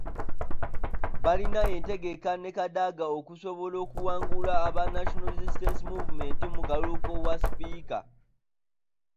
Baalina entegeka ne Kadaga okusobola okuwangula aba National Resistance Movement mu kalulu k'obwa sipiika .